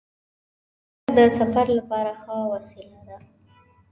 موټر د سفر لپاره ښه وسیله ده.